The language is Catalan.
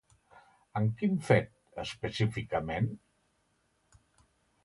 En quin fet, específicament?